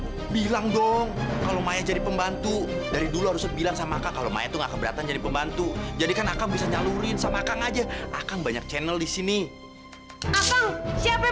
hai bilo emang kalau saya jadi pembantu dari dulu harus asog bilang sama kalau punya tuh nggak keberatan jadi pembantu jadi dia jadi pembantu dari dulu harus berdua dengan aku jadi surnya kalo posed itu bakal masuk sama ini